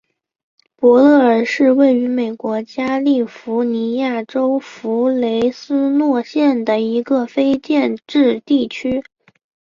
伯勒尔是位于美国加利福尼亚州弗雷斯诺县的一个非建制地区。